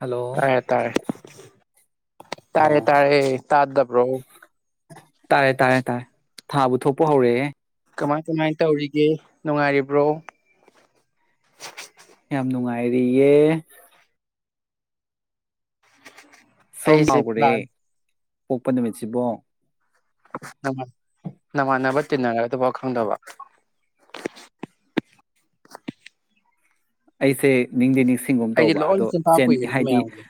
Hello ꯇꯥꯔꯦ ꯇꯥꯔꯦ ꯇꯥꯔꯦ ꯑꯣ ꯇꯥꯔꯦ ꯇꯥꯔꯗ ꯄ꯭ꯔꯣ ꯇꯥꯔꯦ ꯇꯥꯔꯦ ꯇꯥꯔꯦ ꯊꯥꯕꯨ ꯊꯣꯛꯄ ꯍꯧꯔꯛꯑꯦ ꯀꯃꯥꯏ ꯀꯃꯥꯏ ꯇꯧꯔꯤꯒꯦ ꯅꯨꯡꯉꯥꯏꯔꯤꯕ꯭ꯔꯣ ꯌꯥꯝ ꯅꯨꯡꯉꯥꯏꯔꯤꯌꯦ ꯑꯩꯁꯦ ꯁꯣꯝꯕꯒꯨꯨꯔꯦ ꯄ꯭ꯂꯥꯟ ꯄꯣꯛꯄ ꯅꯨꯃꯤꯠꯁꯤꯕꯣ ꯅꯃꯥꯟꯅꯕ ꯇꯤꯟꯅꯒ꯭ꯔ ꯑꯗꯨꯐꯥꯎ ꯈꯪꯗꯕ ꯑꯩꯁꯦ ꯅꯤꯡꯗꯦ ꯅꯤꯡꯁꯤ ꯁꯤꯡꯒꯨꯝ ꯑꯩꯗꯤ ꯇꯧꯕ ꯂꯣꯏꯅ ꯑꯗꯣ ꯆꯤꯟꯐꯥ ꯆꯦꯟ ꯄꯨꯏꯌꯦ ꯅꯣꯏ ꯍꯥꯏꯗꯤ ꯃꯌꯥꯝꯒꯤ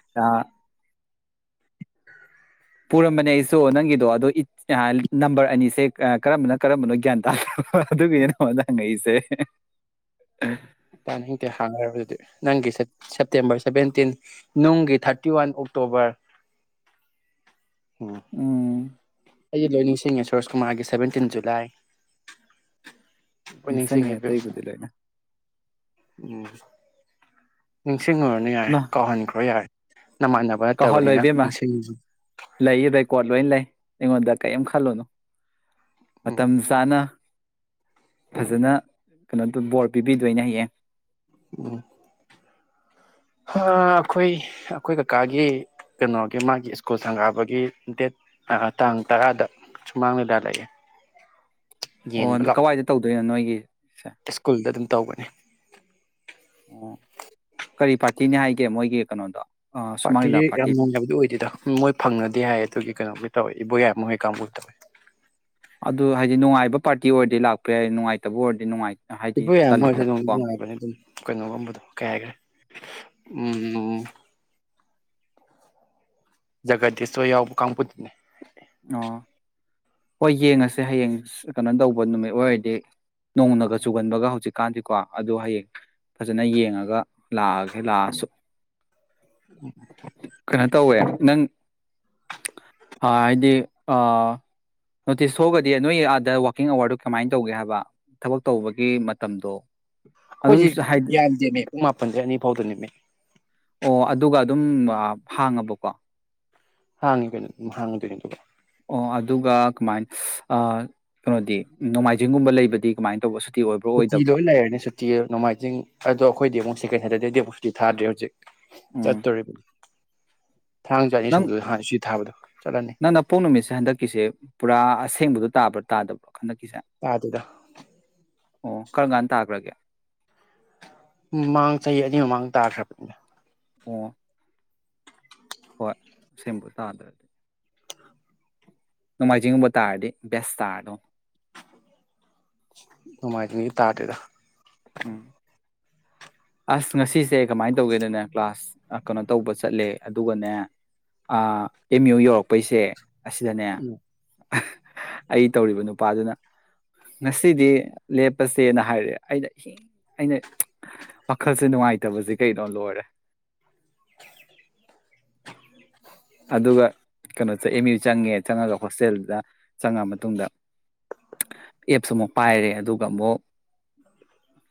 ꯄꯨꯔꯝꯕꯅꯦ ꯑꯩꯁꯨ ꯅꯪꯒꯤꯗꯣ ꯑꯗꯣ ꯅꯝꯕꯔ ꯑꯅꯤꯁꯦ ꯀꯔꯝꯕꯅꯣ ꯀꯔꯝꯕꯅꯣ ꯒ꯭ꯌꯥꯟ ꯇꯥ ꯑꯗꯨꯒꯤꯅꯉꯣ ꯅꯪꯉꯛꯏꯁꯦ ꯇꯥꯅꯤꯡꯇꯦ ꯍꯥꯡꯅꯔ ꯑꯗꯨꯗꯤ ꯅꯪꯒꯤ ꯁꯦꯞꯇꯦꯝꯕꯔ ꯁꯦꯚꯦꯟꯇꯤꯟ ꯅꯨꯡꯒꯤ ꯊꯥꯔꯇꯤ ꯋꯥꯟ ꯑꯣꯛꯇꯣꯕꯔ ꯑꯣꯝ ꯎꯝ ꯑꯩ ꯂꯣꯏ ꯅꯤꯡꯁꯤꯡꯉꯦ ꯁꯨꯔꯣꯁꯀꯨꯃꯥꯔꯒꯤ ꯁꯚꯦꯟꯇꯤꯟ ꯖꯨꯂꯥꯏ ꯂꯣꯏ ꯅꯤꯡꯁꯤꯡꯉꯦ ꯁꯪꯉꯤ ꯏꯕꯦꯝꯃ ꯇꯩꯕꯨꯗꯤ ꯂꯩꯅ ꯎꯝ ꯏꯁꯤꯡ ꯑꯣꯏꯨꯔꯅ ꯌꯥꯔꯦ ꯀꯥꯎꯍꯟꯈ꯭ꯔꯣ ꯌꯥꯔꯦ ꯅꯃꯥꯟꯅꯕ ꯅꯠꯇꯕꯅꯤꯅ ꯀꯧꯍꯜꯂꯣꯏꯕꯦꯝꯃ ꯅꯤꯡꯁꯤꯡ ꯂꯩꯕꯩꯀꯣꯠ ꯂꯣꯏꯅ ꯂꯩ ꯑꯩꯉꯣꯟꯗ ꯀꯥꯏ ꯌꯥꯝ ꯈꯜꯂꯣꯅꯣ ꯑ ꯎꯝ ꯃꯇꯝꯝꯖꯅ ꯐꯖꯅ ꯀꯩꯅꯣꯗ ꯕꯣꯔ ꯄꯤꯕꯤꯗꯣꯏꯅꯦ ꯍꯌꯦꯌꯦꯦ ꯎ ꯑꯩꯈꯣꯏ ꯑꯩꯈꯣꯏ ꯀꯀꯥꯒꯤ ꯀꯩꯅꯣꯒꯤ ꯃꯥꯒꯤ ꯁ꯭ꯀꯨꯜ ꯁꯪꯒꯥꯕꯒꯤ ꯗꯦꯠ ꯇꯥꯡ ꯇꯔꯥꯗ ꯁꯨꯃꯥꯡ ꯂꯤꯗꯥ ꯂꯩꯑꯦ ꯑꯣ ꯀꯗꯥꯏꯗ ꯇꯧꯗꯣꯏꯅꯣ ꯅꯣꯏꯒꯤ ꯏꯁꯁꯀꯨꯜꯗ ꯑꯗꯨ ꯇꯧꯒꯅꯤ ꯑꯣ ꯀꯔꯤ ꯄꯥꯔꯇꯤꯅꯤ ꯍꯥꯏꯒꯦ ꯃꯣꯏꯒꯤ ꯀꯩꯅꯣꯗꯣ ꯁꯨꯃꯥꯡ ꯂꯤꯂꯥ ꯄꯥꯔꯇꯤꯁꯤ ꯌꯥꯝ ꯄꯥꯔꯇꯤ ꯅꯨꯡꯉꯥꯏꯕꯗꯤ ꯑꯣꯏꯗꯦꯗ ꯃꯣꯏ ꯐꯪꯅꯗꯦ ꯍꯥꯏꯌꯦ ꯑꯗꯨꯒꯤ ꯀꯩꯅꯣꯝ ꯇꯧꯋꯦ ꯏꯕꯣꯌꯥ ꯃꯣꯏ ꯀꯥꯡꯕꯨ ꯇꯧꯋꯤ ꯑꯗꯨ ꯍꯥꯏꯗꯤ ꯅꯨꯡꯉꯥꯏꯕ ꯄꯥꯔꯇꯤ ꯑꯣꯏꯔꯗꯤ ꯂꯥꯛꯄ ꯌꯥꯏ ꯅꯨꯡꯉꯥꯏꯇꯕ ꯑꯣꯏꯔꯗꯤ ꯅꯨꯡꯉꯥꯏꯇ ꯁꯤꯄꯨ ꯌꯥꯝ ꯃꯣꯏꯁ ꯅꯨꯡꯉꯥꯏꯕꯅꯦ ꯑꯗꯨꯝ ꯀꯩꯅꯣꯒꯨꯝꯕꯗꯣ ꯀꯩ ꯍꯥꯏꯈ꯭ꯔꯦ ꯎ ꯖꯒꯥꯗꯤ ꯁꯣꯏ ꯌꯥꯎꯕ ꯀꯥꯡꯕꯨꯗꯨꯅꯦ ꯑꯣ ꯍꯣꯏ ꯌꯦꯡꯉꯁꯦ ꯍꯌꯦꯡ ꯀꯩꯅꯣ ꯇꯧꯕ ꯅꯨꯃꯤꯠ ꯑꯣꯏꯔꯗꯤ ꯅꯣꯡꯅꯒ ꯆꯨꯒꯟꯕꯒ ꯍꯧꯖꯤꯛ ꯀꯥꯟꯁꯤꯀꯣ ꯑꯗꯨꯗꯣ ꯍꯌꯦꯡ ꯐꯖꯅ ꯌꯦꯡꯉꯒ ꯂꯥꯛꯑꯒꯦ ꯂꯥꯛꯑꯁꯨ ꯀꯩꯅꯣ ꯇꯧꯋꯦ ꯅꯪ ꯍꯥꯏꯗꯤ ꯅꯣꯇꯤꯁ ꯊꯣꯛꯑꯒꯗꯤ ꯅꯣꯏꯒꯤ ꯑꯥꯗ ꯋꯥꯋꯀꯤꯡ ꯑꯋꯥꯔꯗꯨꯣ ꯀꯃꯥꯏꯅ ꯇꯧꯒꯦ ꯍꯥꯏꯕ ꯊꯕꯛ ꯇꯧꯕꯒꯤ ꯃꯇꯝꯗꯣ ꯑꯗꯨꯝ ꯑꯩꯈꯣꯏꯁꯤ ꯍꯥꯏ ꯌꯥꯝꯗꯦꯃꯦ ꯄꯨꯡ ꯃꯥꯄꯟꯁꯦ ꯑꯅꯤ ꯐꯥꯎꯗꯅꯦꯃꯦ ꯑꯣ ꯑꯗꯨꯒ ꯑꯗꯨꯝ ꯍꯥꯡꯉꯕꯀꯣ ꯍꯥꯡꯉ ꯀꯣꯏꯅꯤ ꯍꯥꯡꯉ ꯇ ꯇ ꯑꯣ ꯑꯗꯨꯒ ꯀꯃꯥꯏꯅ ꯀꯩꯅꯣꯗꯤ ꯅꯣꯡꯃꯥꯏꯖꯤꯡꯒꯨꯝꯕ ꯂꯩꯕꯗꯤ ꯀꯃꯥꯏꯅ ꯇꯧꯕ ꯑꯣꯏꯕ꯭ꯔꯣ ꯁꯨꯇꯤ ꯑꯣꯏꯗꯕ꯭ꯔꯣ ꯂꯣꯏ ꯂꯩꯔꯅꯤ ꯁꯨꯇꯤ ꯅꯣꯡꯃꯥꯏꯖꯤꯡ ꯑꯗꯣ ꯑꯩꯈꯣꯏꯗꯤ ꯑꯃꯨꯛꯀꯩ ꯍꯥꯏꯗꯤ ꯄꯨꯁꯇꯤ ꯊꯗ꯭ꯔꯦ ꯍꯧꯖꯤꯛ ꯇꯠ ꯎꯝ ꯇꯔꯤꯔꯤꯕ ꯊꯥꯡ ꯆꯥꯅꯤ ꯅꯪ ꯁꯨꯕꯗꯣ ꯍꯥꯟ ꯁꯤ ꯊꯥꯕꯗꯣ ꯆꯠꯂꯅꯤ ꯅꯪ ꯅ ꯄꯣꯛ ꯅꯨꯃꯤꯠꯁꯦ ꯍꯟꯗꯛꯀꯤꯁꯦ ꯄꯨꯔꯥ ꯑꯁꯦꯡꯕꯗ ꯇꯥꯕ꯭ꯔꯣ ꯇꯥꯗꯕ꯭ꯔꯣ ꯍꯟꯗꯛꯀꯤꯁꯦ ꯇꯥꯗꯦꯗ ꯑꯣ ꯀꯔꯝ ꯀꯥꯟꯗ ꯇꯥꯈ꯭ꯔꯒꯦ ꯃꯃꯥꯡ ꯆꯍꯤ ꯑꯅꯤ ꯃꯃꯥꯡ ꯇꯥꯈ꯭ꯔꯕꯅꯤꯅ ꯑꯣ ꯍꯣꯏ ꯁꯦꯝꯕꯨ ꯇꯥꯗ꯭ꯔꯗꯤ ꯅꫭꯡꯃꯥꯏꯖꯤꯡꯒꯨꯝꯕ ꯇꯥꯔꯗꯤ ꯕꯦꯁ ꯇꯥꯔ ꯗꯧꯅꯤ ꯅꫭꯡꯃꯥꯏꯖꯤꯡꯗꯤ ꯇꯥꯗꯔꯦꯗ ꯎꯝ ꯑꯁ ꯉꯁꯤꯁꯦ ꯀꯃꯥꯏꯅ ꯇꯧꯒꯦꯗꯅꯦ ꯀ꯭ꯂꯥꯁ ꯑ ꯀꯩꯅꯣ ꯇꯧꯕ ꯆꯠꯂꯦ ꯑꯗꯨꯒꯅꯦ ꯑꯥ ꯑꯦꯝ ꯌꯨ ꯌꯧꯔꯛꯄꯩꯁꯦ ꯑꯁꯤꯗꯅꯦ ꯎꯝ ꯑꯩ ꯇꯧꯔꯤꯕ ꯅꯨꯄꯥꯗꯨꯅ ꯉꯁꯤꯗꯤ ꯂꯦꯞꯄꯁꯦꯅ ꯍꯥꯏꯔꯦ ꯑꯩꯅ ꯍꯤꯡ ꯑꯩꯅ ꯋꯥꯈꯜꯁꯦ ꯅꯨꯡꯉꯥꯏꯇꯕꯁꯦ ꯀꯩꯅꯣ ꯂꯣꯏꯔꯦ [inaudible] ꯁ ꯑꯦꯝ ꯌꯨ ꯆꯪꯉꯦ ꯆꯪꯉꯒ ꯍꯣꯁꯇꯦꯜꯗꯨꯗ ꯆꯪꯉ ꯃꯇꯨꯡꯗ ꯑꯦꯞꯁꯨ ꯑꯃꯨꯛ ꯄꯥꯏꯔꯦ ꯑꯗꯨꯒ ꯑꯃꯨꯛ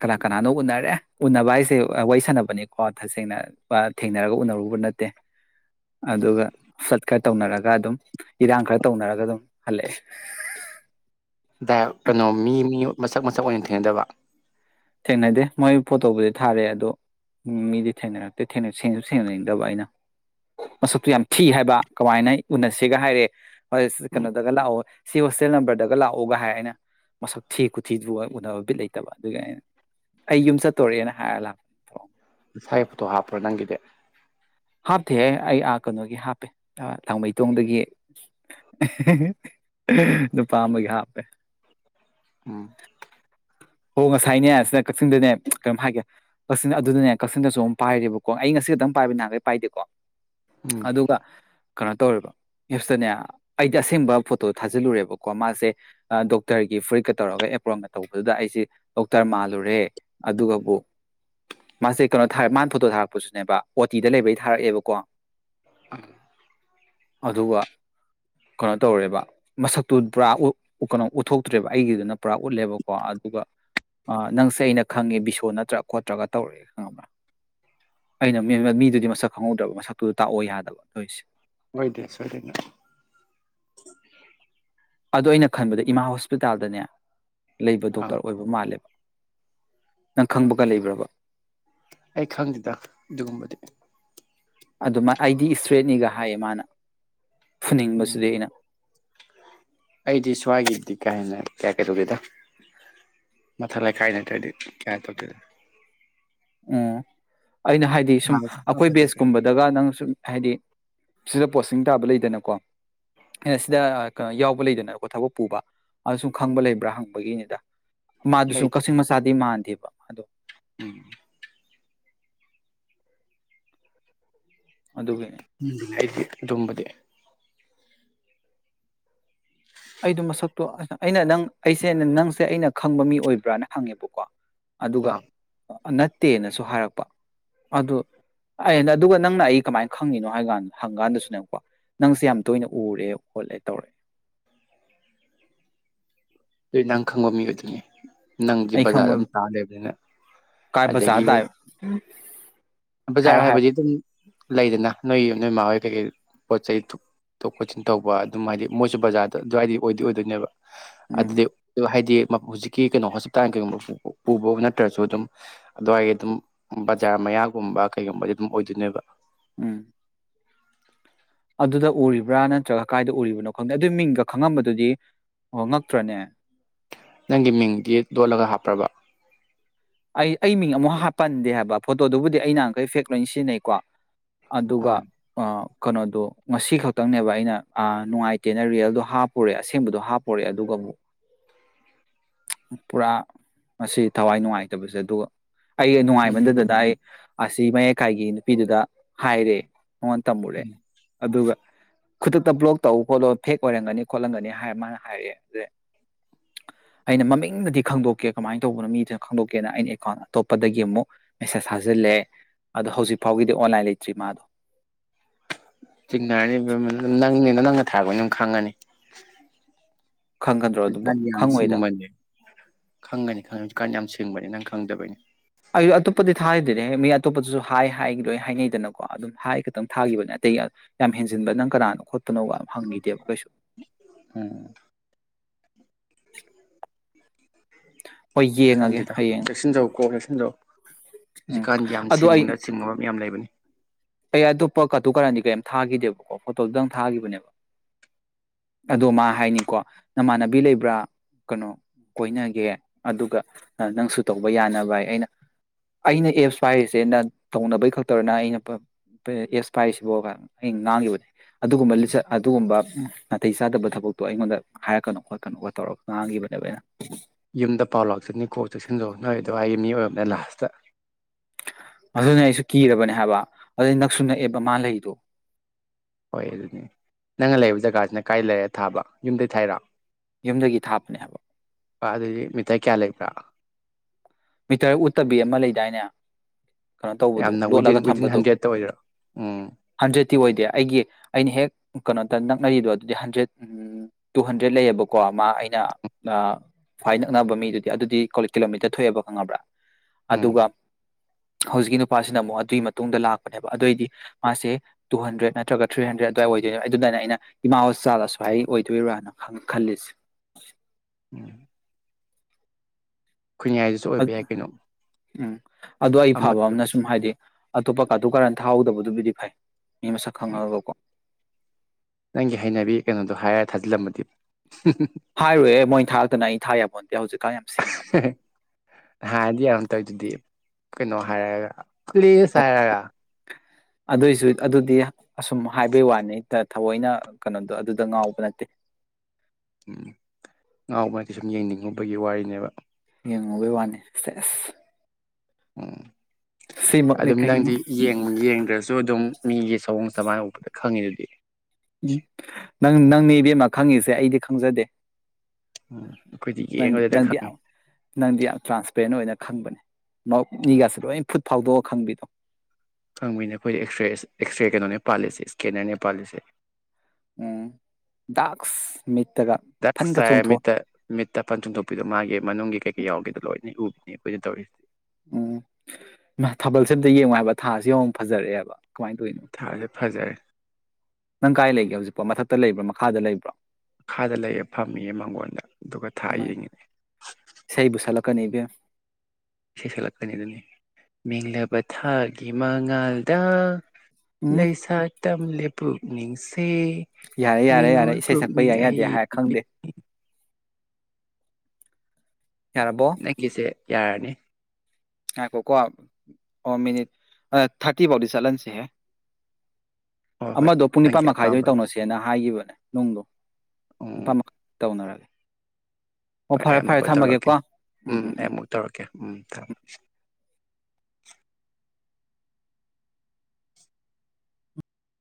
ꯀꯅꯥ ꯀꯅꯥꯅꯣ ꯎꯅꯔꯦ ꯎꯟꯅꯅꯕ ꯍꯥꯏꯁꯦ ꯋꯥꯔꯤ ꯁꯥꯟꯅꯕꯅꯦꯀꯣ ꯇꯁꯦꯡꯅ ꯊꯦꯡꯅꯔꯒ ꯎꯅꯔꯨꯕ ꯅꯠꯇꯦ ꯑꯗꯨꯒ ꯁꫭꯠ ꯀꯠ ꯇꯧꯅꯔꯒ ꯑꯗꯨꯝ ꯏꯔꯥꯡ ꯈꯔ ꯇꯧꯅꯔꯒ ꯑꯗꯨꯝ ꯍꯜꯂꯛꯑꯦ ꯀꯩꯅꯣ ꯃꯤ ꯃꯤ ꯃꯁꯛ ꯃꯁꯛ ꯑꯣꯏꯅ ꯊꯦꯡꯅꯗꯕ ꯊꯦꯡꯅꯗꯦ ꯃꯣꯏ ꯐꯣꯇꯣꯕꯨꯗꯤ ꯊꯥꯔꯦ ꯑꯗꯣ ꯃꯤꯗꯤ ꯊꯦꯡꯅꯔꯛꯇꯦ ꯊꯦꯡꯁꯨ ꯊꯦꯡꯅꯅꯤꯡꯗꯕ ꯑꯩꯅ ꯃꯁꯛꯇꯨ ꯌꯥꯝ ꯊꯤ ꯍꯥꯏꯕ ꯀꯃꯥꯏꯅ ꯎꯅꯁꯦꯒ ꯍꯥꯏꯔꯦ ꯍꯣꯏ ꯁ ꯀꯩꯅꯣꯗꯒ ꯂꯥꯑꯣ ꯁꯤ ꯍꯣꯁꯇꯦꯜ ꯅꯝꯕꯔꯗꯒ ꯂꯥꯛꯑꫭꯒ ꯍꯥꯏ ꯑꯗꯨꯒ ꯑꯩꯅ ꯃꯁꯛ ꯊꯤ ꯈꯨꯊꯤꯗꯨ ꯎꯅꯕꯕ ꯕꯤꯠ ꯂꯩꯇꯕ ꯑꯗꯨꯒꯤ ꯑꯩꯅ ꯑꯩ ꯌꯨꯝ ꯆꯠꯇꫭꯔꯦ ꯍꯥꯏꯔ ꯂꯥꯛꯄ ꯅꯁꯥꯏ ꯐꯣꯇꯣ ꯍꯥꯞꯄ꯭ꯔꯣ ꯅꯪꯒꯤꯗꯤ ꯍꯥꯞꯇꯦꯍꯦ ꯑꯩꯥ ꯑ ꯀꯩꯅꯣꯒꯤ ꯍꯥꯞꯄꯦ ꯂꯥꯡꯃꯩꯗꫭꯡꯗꯒꯤ ꯑꯍꯤ ꯍꯤ ꯍꯤ ꯅꯨꯄꯥ ꯑꯃꯒꯤ ꯍꯥꯞꯄꯦ ꯎꯝ ꯍꯣ ꯉꯁꯥꯏꯅꯦ ꯁꯤꯗ ꯀꯛꯆꯤꯡꯗꯅꯦ ꯀꯩꯅꫭꯝ ꯍꯥꯏꯒꯦ ꯀꯛꯆꯤꯡ ꯑꯗꯨꯗꯅꯦ ꯀꯛꯆꯤꯡꯗꯁꯨ ꯑꯃꯝ ꯄꯥꯏꯔꯦꯕꯀꯣ ꯑꯩ ꯉꯁꯤ ꯈꯛꯇꯪ ꯄꯥꯏꯕꯅꯦ ꯅꯍꯥꯟꯈꯩ ꯄꯥꯏꯗꯦꯀꯣ ꯎꯝ ꯑꯗꯨꯒ ꯀꯩꯅꯣ ꯇꯧꯔꯤꯕ [unintelligible] ꯑꯩꯗꯤ ꯑꯁꯦꯡꯕ ꯐꯣꯇꯣ ꯊꯥꯖꯤꯜꯂꯨꯔꯦꯕ ꯀꫭ ꯃꯥꯁꯦ ꯗꯣꯛꯇꯔꯒꯤ ꯐꯨꯔꯤꯠꯀ ꯇꯧꯔꯒ ꯑꯦꯄ꯭ꯔꯣꯟꯒ ꯇꯧꯕꯗꯨꯗ ꯑꯩ ꯁꯤ ꯗꯣꯛꯇꯔ ꯃꯥꯜꯂꯨꯔꯦ ꯑꯗꯨꯒꯕꯨ ꯃꯥꯁꯦ ꯀꯩꯅꯣ ꯊꯥꯔ ꯃꯥꯅ ꯐꯣꯇꯣ ꯊꯥꯔꯛꯄꯁꯨꯅꯦꯕ ꯑꯣ ꯇꯤꯗ ꯂꯩꯕꯩ ꯊꯥꯔꯛꯑꯦꯕꯀꯣ ꯑ ꯑꯗꯨꯒ ꯀꯅꯣ ꯇꯧꯔꯦꯕ ꯃꯁꯛꯇꯨ ꯄꯨꯔꯥ ꯎꯠꯊꯣꯛꯇ꯭ꯔꯦꯕꯀꫭ ꯑꯩꯒꯤꯗꯨꯅ ꯄꯨꯔꯥ ꯎꯠꯂꯦꯕꯀꯣ ꯑꯗꯨꯒ ꯑ ꯅꯪꯁꯦ ꯑꯩꯅ ꯈꯪꯉꯦ ꯕꯤꯁꯣ ꯅꯠꯇ꯭ꯔ ꯈꯣꯠꯇ꯭ꯔꯒ ꯇꯧꯔꯑꯦ ꯈꯪꯉꯕ꯭ꯔꯥ ꯑꯩꯅ ꯃꯤ ꯃ ꯃꯤꯗꯨꯗꯤ ꯃꯁꯛ ꯈꯪꯍꯧꯗ꯭ꯔꯕ ꯃꯁꯛꯇꯨ ꯇꯥꯛꯑꯣ ꯌꯥꯗꯕ ꯇꫭꯏꯁꯦ ꯑꯣꯏ ꯗꯦ ꯁꫭꯏꯗꯅ ꯑꯗꯣ ꯑꯩꯅ ꯈꯟꯕꯗ ꯏꯃꯥ ꯍꯣꯁꯄꯤꯇꯥꯜꯗꯅꯦ ꯂꯩꯕ ꯑꯥ ꯗꯣꯛꯇꯔ ꯑꯣꯏꯕ ꯃꯥꯜꯂꯦꯕ ꯅꯪ ꯈꯪꯕꯒ ꯂꯩꯕ꯭ꯔꯕ ꯑꯩ ꯈꯪꯗꯦꯗ ꯑꯗꯨꯒꯨꯝꯕꯗꯤ ꯑꯗꯨꯃ ꯑꯩꯗꯤ ꯁꯇ꯭ꯔꯦꯠꯅꯤꯒ ꯍꯥꯏꯌꯦ ꯃꯥꯅ ꯎꯝ ꯐꯨꯅꯤꯡꯕꯁꯤꯗꯤ ꯑꯩꯅ ꯑꯩꯗꯤ ꯁ꯭ꯋꯥꯏꯒꯤꯗꯤ ꯀꯥ ꯍꯦꯟꯅ ꯀꯌꯥ ꯀꯩ ꯇꯧꯗꯦꯗ ꯃꯊꯛ ꯂꯩꯀꯥꯏ ꯅꯠꯇ꯭ꯔꯗꯤ ꯀꯌꯥ ꯇꯧꯗꯦꯗ ꯑꯣ ꯑꯩꯅ ꯍꯥꯏꯗꯤ ꯁꯨꯝ ꯑꯈꯣꯏ ꯕꯦꯖꯀꯨꯝꯕꯗꯒ ꯅꯪ ꯁꯨꯝ ꯍꯥꯏꯗꯤ ꯁꯤꯗ ꯄꯣꯁꯇꯤꯡ ꯇꯥꯕ ꯂꯩ ꯗꯅꯀꯣ ꯑꯩꯅ ꯁꯤꯗ ꯀꯩꯅꯣ ꯌꯥꯎꯕ ꯂꯩꯗꯅꯀꯣ ꯊꯕꯛ ꯄꯨꯕ ꯑ ꯁꯨꯝ ꯈꯪꯕ ꯂꯩꯕ꯭ꯔꯥ ꯍꯪꯕꯒꯤꯅꯤꯗ ꯃꯥꯗꯨꯁꯨ ꯂꯩꯇꯦ ꯀꯛꯆꯤꯡ ꯃꯆꯥꯥꯗꯤ ꯃꯥꯟꯗꯦꯕ ꯑꯗꯣ ꯎꯝ ꯑꯗꯨꯒꯤꯅꯦ ꯎꯝ ꯍꯥꯏꯗꯤ ꯑꯗꯨꯨꯝꯝꯕꯗꯤ ꯑꯩꯗꯣ ꯃꯁꯛꯇꯣ ꯑꯩꯅ ꯅꯪ ꯑꯩꯁꯦ ꯅꯪꯁꯦ ꯑꯩꯅ ꯈꯪꯕ ꯃꯤ ꯑꯣꯏꯕ꯭ꯔꯥꯅ ꯍꯪꯉꯦꯕꯀꯣ ꯑꯗꯨꯒ ꯑꯥ ꯅꯠꯇꯦꯅꯁꯨ ꯍꯥꯏꯔꯛꯄ ꯑꯗꯨ ꯑꯩꯅ ꯑꯗꯨꯒ ꯅꯪꯅ ꯑꯩ ꯀꯃꯥꯏꯅ ꯈꯪꯉꯤꯅꯣ ꯍꯥꯏꯀꯥꯟꯗ ꯍꯪꯀꯥꯟꯗꯁꯨ ꯅꯪꯀꯣ ꯅꯪꯁꯦ ꯌꯥꯝ ꯇꯣꯏꯅ ꯎꯔꯦ ꯈꯣꯠꯂꯦ ꯇꯧꯔꯛꯑꯦ ꯑꯗꯨ ꯅꯍꯪ ꯈꯪꯕ ꯃꯤ ꯑꯣꯏꯗꯨꯅꯦ ꯅꯪꯗꯤ ꯑꯩ ꯕꯖꯥꯔꯗ ꯈꯪꯕ ꯑꯗꯨꯝ ꯆꯥ ꯂꯩꯕꯅꯤꯅ ꯀꯥꯏ ꯕꯖꯥꯔ ꯑꯗꯒꯤ ꯇꯥꯏ ꯕꯖꯥꯔ ꯍꯥꯏꯌꯣ ꯍꯥꯏꯌꯣ ꯍꯥꯏꯕꯗꯤ ꯑꯗꯨꯝ ꯂꯩꯗꯅ ꯅꯣꯏ ꯅꯣꯏ ꯏꯃꯥ ꯍꯣꯏ ꯀꯩꯀꯩ ꯄꯣꯠ ꯆꯩ ꯇꯣꯛ ꯈꯣꯠꯆꯤꯟ ꯇꯧꯕ ꯑꯗꯨꯝ ꯍꯥꯏꯗꯤ ꯃꯣꯏꯁꯨ ꯕꯖꯥꯔꯗ ꯑꯗꯨꯋꯥꯏꯗꯤ ꯑꯣꯏꯗꯤ ꯑꯣꯏꯗꯣꯏꯅꯦꯕ ꯎꯝ ꯑꯗꯨꯗꯤ ꯍꯥꯏꯗꯤ ꯍꯧꯖꯤꯛꯀꯤ ꯀꯩꯅꯣ ꯍꯣꯁꯄꯤꯇꯥꯜ ꯀꯩꯒꯨꯝꯕ ꯄꯨꯕ ꯅꯠꯇ꯭ꯔꯁꯨ ꯑꯗꯨꯝ ꯑꯗꯨꯋꯥꯏꯒꯤ ꯑꯗꯨꯝ ꯕꯖꯥꯔ ꯃꯌꯥꯒꯨꯝꯕ ꯀꯩꯒꯨꯝꯕꯗꯤ ꯑꯗꯨꯝ ꯑꯣꯏꯗꯣꯏꯅꯦꯕ ꯎꯝ ꯑꯗꯨꯗ ꯎꯔꯤꯕ꯭ꯔꯥ ꯅꯠꯇ꯭ꯔꯒ ꯀꯗꯥꯥꯏꯗ ꯎꯔꯤꯕꯅꯣ ꯈꯪꯗꯦ ꯑꯗꯨꯒꯤ ꯃꯤꯡꯒ ꯈꯪꯉꯝꯕꯗꯨꯗꯤ ꯑꯣ ꯉꯛꯇ꯭ꯔꯅꯦ ꯅꯪꯒꯤ ꯃꯤꯡꯗꯤ ꯂꯣꯠꯂꯒ ꯍꯥꯞꯄ꯭ꯔꯕ ꯑꯩ ꯑꯩ ꯃꯤꯡ ꯑꯃꯨꯛ ꯍꯥꯞꯄꯟꯗꯦ ꯍꯥꯏꯕ ꯐꯣꯇꯣꯗꯨꯕꯨꯗꯤ ꯑꯩ ꯅ ꯉꯈꯩ ꯐꯦꯛ ꯂꯣꯏꯅ ꯁꯤꯖꯤꯟꯅꯩꯀꯣ ꯑꯗꯨꯒ ꯑꯥ ꯑ ꯀꯩꯅꯣꯗꯣ ꯉ ꯈꯛꯇꯪꯅꯦꯕ ꯑꯩꯅ ꯅꯨꯡꯉꯥꯏꯇꯦꯅ ꯔꯤꯌꯦꯜꯗꯣ ꯍꯥꯞꯄꯣꯔꯦ ꯑꯁꯦꯡꯕꯗꯣ ꯍꯥꯞꯄꯣꯔꯑꯦ ꯑꯗꯨꯒꯕꯨ ꯄꯨꯔꯥ ꯃꯁꯤ ꯊꯋꯥꯏ ꯅꯨꯡꯉꯥꯏꯇꯦ ꯁꯦ ꯑꯗꯨꯒ ꯑꯩ ꯅꯨꯡꯉꯥꯏꯃꯟꯗꯨꯗꯨꯗ ꯑꯩ ꯑꯁꯤ ꯃꯌꯥꯏꯀꯥꯏꯒꯤ ꯅꯨꯄꯤꯗꯨꯗ ꯍꯥꯏꯔꯦ ꯃꯉꯥꯟ ꯇꯝꯃꯨꯔꯦ ꯑꯗꯨꯒ ꯈꯨꯗꯛꯇ ꯕ꯭ꯂꯣꯛ ꯇꯧ ꯈꯣꯠꯂ ꯐꯦꯛ ꯑꯣꯏꯔꯝꯒꯅꯤ ꯈꯣꯠꯂꯝꯒꯅꯤ ꯍꯥꯏꯔ ꯃꯥꯅ ꯍꯥꯏꯔꯛꯑꯦ ꯑꯗ ꯑꯩꯅ ꯃꯃꯤꯡꯗꯗꯤ ꯈꯪꯗꯣꯛꯀꯦ ꯀꯃꯥꯏꯅ ꯇꯧꯕꯅꯣ ꯃꯤꯗꯨꯅ ꯈꯪꯗ ꯀꯅ ꯑꯩꯅ ꯑꯦꯀꯥꯎꯟ ꯑꯇꯣꯞꯄꯗꯒꯤ ꯑꯃꯨꯛ ꯃꯦꯁꯦꯁ ꯊꯥꯖꯤꯜꯂꯦ ꯑꯗꯣ ꯍꯧꯖꯤꯛ ꯐꯥꯎꯒꯤꯗꯤ ꯑꯣꯟꯂꯥꯏꯟ ꯂꯩꯇ꯭ꯔꯤ ꯃꯥꯗꯣ ꯆꯅꯅꯤꯪ ꯅꯪꯅ ꯊꯥꯕ ꯑꯣꯏꯅ ꯑꯗꯨꯝ ꯈꯪꯉꯅꯤ ꯈꯪꯒꯗ꯭ꯔꯣ ꯑꯗꯨꯕꯣ ꯍꯧꯖꯤꯛꯀꯥꯟꯗꯤ ꯌꯥꯝ ꯈꯪꯉꯣꯏꯗ ꯁꯤꯡꯕꯅꯦ ꯈꯪꯒꯅꯤ ꯈꯪꯉꯅꯤ ꯍꯧꯖꯤꯀꯥꯟ ꯌꯥꯝ ꯁꯤꯡꯕꯅꯤ ꯅꯪ ꯈꯪꯗꯕꯩꯅꯤ ꯑꯩ ꯑꯇꯣꯞꯄꯗꯤ ꯊꯥꯈꯤꯗ꯭ꯔꯅꯦ ꯍ ꯃꯤ ꯑꯇꯣꯞꯄꯗꯁꯨ ꯍꯥꯏ ꯍꯥꯏꯗꯣꯏ ꯍꯥꯏꯅꯩꯗꯅꯀꯣ ꯑꯗꯨꯝ ꯍꯥꯏ ꯈꯈꯤꯛꯇꯪ ꯊꯥꯒꯤꯈꯤꯕꯅꯦ ꯑꯇꯩ ꯌꯥꯝ ꯍꯦꯟꯖꯤꯟꯕ ꯅꯪ ꯀꯅꯥꯅꯣ ꯈꯣꯠꯄꯅꯣꯒ ꯍꯪꯈꯤꯗꯦꯕ ꯀꯩꯁꯨ ꯎꯝ ꯍꯣꯏ ꯌꯦꯡꯉꯒꯦ ꯁꯪꯒꯤꯗ ꯍꯌꯦꯡ ꯀꯁꯟꯖꯧ ꯀꯣ ꯍꯜꯂꯣ ꯎꯝ ꯍꯧꯖꯤꯛꯀꯥꯟꯗꯤ ꯌꯥꯝ ꯑꯗꯣ ꯑꯩ ꯁꯦꯡꯕꯅ ꯆꯤꯡꯕ ꯌꯥꯝ ꯂꯩꯕꯅꯤ ꯄ ꯀꯠꯇꯨ ꯀꯔꯗꯤ ꯀꯔꯤꯝ ꯊꯥꯈꯤꯗꯦꯕꯀꯣ ꯐꯣꯇꯣꯗꯨꯗꯪ ꯊꯥꯈꯤꯕꯅꯦꯕ ꯑꯗꯣ ꯃꯥ ꯍꯥꯏꯅꯤꯀꯣ ꯅꯃꯥꯟꯅꯕꯤ ꯂꯩꯕ꯭ꯔꯥ ꯀꯩꯅꯣ ꯀꯣꯏꯅꯒꯦ ꯑꯗꯨꯒ ꯅꯪꯁꯨ ꯇꯧꯕ ꯌꯥꯅꯕ ꯍꯥꯏ ꯑꯩꯅ ꯑꯩꯅ ꯑꯦꯞꯁ ꯄꯥꯏꯔꯤꯁꯦ ꯑꯩꯅ ꯇꯧꯅꯕꯩ ꯈꯛꯇꯧꯅ ꯑꯩꯅ ꯑꯦꯞꯁ ꯄꯥꯏꯔꯤꯁꯤꯕꯣ ꯑꯩꯅ ꯉꯥꯡꯒꯤꯕꯅꯦ ꯑꯗꯨꯒꯨꯝꯕꯆ ꯑꯗꯨꯒꯨꯝꯕ ꯅꯥꯇꯩ ꯆꯥꯗꯕ ꯊꯕꯛꯇꯣ ꯑꯩꯉꯣꯟꯗ ꯍꯥꯏꯔꯛꯀꯅꯣ ꯈꯣꯠꯀꯅꯣꯒ ꯇꯧꯔꯒ ꯉꯥꯡꯕꯅꯦꯕ ꯑꯩꯅ ꯌꯨꯝꯗ ꯄꯥꯎ ꯂꯥꯛꯆꯁꯅꯤꯡꯅꯤ ꯀꯣꯛ ꯆꯠꯁꯤꯟꯂꯣ ꯅꯣꯏ ꯑꯗꯨꯗ ꯑꯩ ꯃꯤ ꯑꯣꯏꯕꯅꯦ ꯂ ꯍꯥꯁꯇ ꯑꯗꯨꯅ ꯑꯩꯁꯨ ꯀꯤꯔꯕꯅꯦ ꯍꯥꯏꯕ ꯑꯗꯨꯩ ꯅꯛꯁꯨ ꯅꯛꯑꯦꯕ ꯃꯥꯥ ꯂꯩꯗꯣ ꯍꯣꯏ ꯑꯗꯨꯅꯦ ꯅꯪꯅ ꯂꯩꯕ ꯖꯒꯥꯁꯤꯅ ꯀꯗꯥꯥꯏ ꯂꯩꯔꯦ ꯊꯥꯕ ꯌꯨꯝꯗꯩ ꯊꯥꯏꯔ ꯌꯨꯝꯗꯒꯤ ꯊꯥꯞꯄꯅꯦ ꯍꯥꯏꯕ ꯄꯗ ꯃꯊ ꯀꯌꯥ ꯂꯩ꯭ꯔ ꯃꯤꯇꯔ ꯎꯠꯇꯕꯤ ꯑꯃ ꯂꯩꯗꯥꯏꯅꯦ꯫ ꯀꯩꯅꯣ ꯇꯧꯕꯗꯣ ꯌꯥꯝꯅ ꯂꯣꯠꯂꯒ ꯋꯤꯗꯤꯟ ꯋꯤꯗꯤꯟ ꯊꯝꯕꯗꯣ ꯍꯟꯗ꯭ꯔꯦꯗꯠꯇ ꯑꯣꯏꯗꯣꯏꯔꯥ ꯎꯝ꯫ ꯠꯇꯤ ꯑꯣꯏꯗꯦ ꯑꯩꯒꯤ ꯑꯩꯅ ꯍꯦꯛ ꯀꯩꯅꯣꯗ ꯅꯛꯅꯔꯤꯗꯣ ꯑꯗꯨꯗꯤ ꯍꯟꯗ꯭ꯔꯦꯗ ꯇꯨ ꯍꯟꯗ꯭ꯔꯦꯗ ꯂꯩꯌꯦꯕꯀꯣ ꯃꯥ ꯑꯩꯅ ꯑ ꯐ꯭ꯋꯥꯏ ꯅꯛꯅꯕ ꯃꯤꯗꯨꯗꯤ ꯑꯗꯨꯗꯤ ꯀꯣ ꯀꯤꯂꯣꯃꯤꯇꯔ ꯊꯣꯛꯑꯦꯕ꯫ ꯈꯪꯉꯕ꯭ꯔꯥ ꯎꯝ ꯑꯗꯨꯒ ꯍꯧꯖꯤꯛꯀꯤ ꯅꯨꯄꯥꯁꯤꯅ ꯑꯃꯨꯛ ꯑꯗꯨꯒꯤ ꯃꯇꯨꯡꯗ ꯂꯥꯛꯄꯅꯦꯕ ꯑꯗꯨꯑꯣꯏꯗꯤ ꯃꯥꯁꯦ ꯇꯨ ꯍꯟꯗ꯭ꯔꯦꯗ ꯅꯠꯇ꯭ꯔꯒ ꯊ꯭ꯔꯤ ꯍꯟꯗ꯭ꯔꯦꯠ ꯑꯗꯨꯋꯥꯏ ꯑꯣꯏꯗꯣꯏꯅꯦ ꯑꯗꯨꯗꯥꯏꯅ ꯑꯩꯅ ꯏꯃꯥ ꯍꯣꯆꯥ ꯑꯁꯨꯍ ꯑꯣꯏꯗꯣꯏꯔ꯭ꯔꯥꯅ ꯈꯜꯂꯤꯁꯦ꯫ ꯎꯝ ꯈꯨꯟꯌꯥꯏꯗꯨꯁꯨ ꯑꯣꯏꯕ ꯌꯥꯏ ꯀꯩꯅꯣ ꯎꯝ ꯑꯗꯨ ꯑꯩ ꯑꯃ ꯐꯕ ꯑꯃꯅ ꯁꯨꯝ ꯍꯥꯏꯗꯤ ꯑꯇꯣꯞꯄ ꯀꯥꯗꯨ ꯀꯥꯔꯅ ꯊꯥꯍꯧꯗꯕꯗꯨꯕꯨꯗꯤ ꯐꯩ ꯃꯤ ꯃꯁꯛ ꯈꯪꯑꯒꯀꯣ꯫ ꯅꯪꯒꯤ ꯍꯩꯅꯕꯤ ꯀꯩꯅꯣꯗꯣ ꯍꯥꯏꯔ ꯊꯥꯖꯤꯜꯂꯝꯃꯗꯤ꯫ ꯍꯥꯏꯔꯨꯌꯦ ꯃꯣꯏꯅ ꯊꯥꯔꯛꯇꯅ ꯑꯩ ꯊꯥ ꯌꯥꯄꫭꯟꯇꯦ ꯍꯧꯖꯤꯛꯀꯥꯟ ꯌꯥꯝ ꯁꯤꯡꯉꯦ ꯍꯥꯏ ꯌꯝ--ꯗꯤ ꯇꯩꯗꯨꯗꯤ ꯀꯩꯅꯣ ꯍꯥꯏꯔꯒ ꯐ꯭ꯂꯤꯁ ꯍꯥꯏꯔꯒ ꯑꯗꯨꯏꯁꯨ ꯑꯗꯨꯗꯤ ꯑꯁꯨꯝ ꯍꯥꯏꯕꯩ ꯋꯥꯅꯤ ꯊꯑꯣꯏꯅ ꯀꯩꯅꯣꯗꯣ ꯑꯗꯨꯗ ꯉꯥꯎꯕ ꯅꯠꯇꯦ꯫ ꯎꯝ ꯉꯥꯎꯕ ꯀꯩ ꯁꯨꯝ ꯌꯦꯡꯅꯤꯡꯉꯨꯕꯒꯤ ꯋꯥꯔꯤꯅꯦꯕ꯫ ꯌꯦꯡꯉꯨꯕꯩ ꯋꯥꯅꯤ ꯁꯦꯁ ꯎꯝ ꯁꯤꯃꯛꯅꯤ ꯑꯗꯨꯝ ꯀꯩꯅꯣ ꯅꯪꯗꯤ ꯌꯦꯡ ꯌꯦꯡꯗ꯭ꯔꯁꯨ ꯑꯗꯨꯝ ꯃꯤꯒꯤ ꯆꯑꯣꯡ ꯆꯃꯥꯏꯅ ꯎꯄ ꯈꯪꯉꯤ ꯗꯨꯗꯤ꯫ ꯎꯝ ꯅꯪ ꯅꯪꯅꯦ ꯏꯕꯦꯝꯃ ꯈꯪꯉꯤꯁꯦ ꯑꯩꯗꯤ ꯈꯪꯖꯗꯦ꯫ ꯎꯝ ꯑꯩꯈꯣꯏꯗꯤ ꯅꯪꯗꯤ ꯌꯦꯡꯕꯗꯗ ꯅꯪꯗꯤ ꯈꯪꯉꯤ ꯌꯥꯝ ꯅꯪꯗꯤ ꯌꯥꯝ ꯇ꯭ꯔꯥꯟꯁꯄꯦꯔꯦꯟ ꯑꯣꯏꯅ ꯈꯪꯕꯅꯦ꯫ ꯃꯧ ꯃꯤꯒꯁꯦ ꯂꫭꯏ ꯐꯨꯠ ꯐꯥꯎꯗꯣꯛ ꯈꯪꯕꯤꯗꯣ ꯈꯪꯕꯤꯅꯦ ꯑꯩꯈꯣꯏꯗ ꯑꯦꯛꯁꯔꯦ ꯑꯦꯛꯁꯔꯦ ꯀꯩꯅꯣꯅꯦ ꯄꯥꯜꯂꯤꯁꯦ ꯏꯁꯀꯦꯟꯅꯔꯅꯦ ꯄꯥꯜꯂꯤꯁꯦ꯫ ꯎꯝ ꯗꯥꯛꯁ ꯃꯤꯠ ꯗꯛꯏ ꯆꯥꯏ ꯃꯤꯠꯇ ꯃꯤꯠꯇ ꯄꯟ ꯆꯣꯡꯗꯣꯛꯄꯤꯗꯣ ꯃꯥꯒꯤ ꯃꯅꯨꯡꯒꯤ ꯀꯩꯀꯩ ꯌꯥꯎꯒꯦꯗ ꯂꯣꯏꯅ ꯎ꯫ [unintelligible] ꯎꯝ ꯃ ꯊꯥꯕꯜꯁꯦ ꯑꯝꯇ ꯌꯦꯡꯉꯨ ꯍꯥꯏꯕ ꯊꯥꯁꯤ ꯌꯦꯡꯉꯨ ꯐꯖꯔꯛꯑꯦꯕ꯫ ꯀꯃꯥꯏꯅ ꯇꯧꯔꯤꯅꯣ ꯊꯥꯁꯦ ꯐꯖꯔꯦ꯫ ꯅꯪ ꯀꯥꯏ ꯂꯩꯒꯦ ꯍꯧꯖꯤꯛꯐꯥꯎ ꯃꯊꯛꯇ ꯂꯩꯕ꯭ꯔꯥ ꯃꯈꯥꯗ ꯂꯩꯕ꯭ꯔꯣ꯫ ꯃꯈꯥꯗ ꯂꯩꯌꯦ ꯐꯝꯃꯤꯌꯦ ꯃꯥꯡꯒꯣꯟꯗ ꯑꯗꯨꯒ ꯊꯥ ꯌꯦꯡꯉꯤꯅꯦ꯫ ꯀꯅꯤꯕꯤ ꯏꯁꯩ ꯁꯛꯂꯛꯀꯅꯤ ꯑꯗꯨꯅꯦ ꯃꯦꯡꯂꯕ ꯊꯥꯒꯤ ꯃꯉꯥꯜꯗ꯫ ꯎꯝ ꯂꯩꯁꯥꯠ ꯇꯝ ꯂꯦꯞꯄꯨꯛ ꯅꯤꯡꯁ ꯌꯥꯔꯦ-ꯌꯥꯔꯦ-ꯌꯥꯔꯦ ꯏꯁꯩ ꯁꯛꯄ ꯌꯥꯏ ꯌꯥꯗꯦ ꯑꯩ ꯍꯥꯏꯔ ꯈꯪꯗꯦ꯫ ꯌꯥꯔꯕꯣ ꯅꯪ ꯀꯁꯦ ꯌꯥꯔꯅꯤ ꯍꯥꯏꯈꯣ ꯀꯣ ꯑꯣ ꯃꯤꯅꯤꯠ ꯊꯥꯔꯇꯤ ꯐꯥꯎꯗꯤ ꯆꯠꯍꯟꯁꯤꯍꯦ ꯍꯣꯏ ꯍꯣꯏ ꯑꯃꯗꯣ ꯄꯨꯡ ꯅꯤꯄꯥꯟ ꯅꯪꯒꯤ ꯃꯈꯥꯏꯗ ꯑꯄꯥꯝꯕꯅꯤ ꯇꯧꯅꯁꯦꯅ ꯍꯥꯏꯈꯤꯕ ꯅꯣꯡꯗꯣ ꯎꯝ ꯏꯄꯥꯃ ꯇꯧꯅꯔꯦ ꯍꯣꯏ ꯑꯩ ꯑꯃꯨꯛꯀ ꯇꯧꯔꯛꯀꯦ ꯎꯝ ꯑꯩ ꯑꯃꯨꯛ ꯇꯧꯔꯛꯀꯦ ꯎꯝ ꯊꯝ